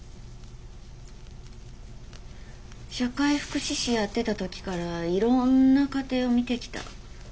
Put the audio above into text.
社会福祉士やってた時からいろんな家庭を見てきた。